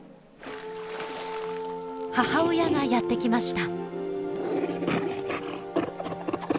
母親がやって来ました。